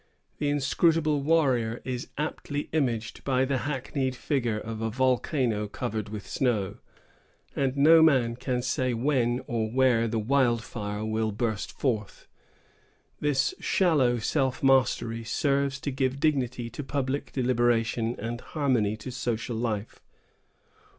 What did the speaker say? The inscrutable warrior is aptly imaged by the hackneyed figure of a volcano covered with snow; and no man can say when or where the wildfire will burst forth. This shallow self mastery serves to give dignity to public deliberation, and harmony to social life.